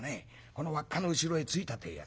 この輪っかの後ろへついたってえやつだ。